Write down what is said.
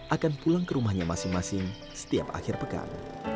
akan pulang ke rumahnya masing masing setiap akhir pekan